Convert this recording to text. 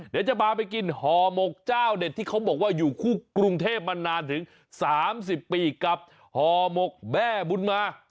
เดี๋ยวจะพาไปกินห่อหมกเจ้าเด็ดที่เขาบอกว่าอยู่คู่กรุงเทพมานานถึง๓๐ปีกับห่อหมกแม่บุญมา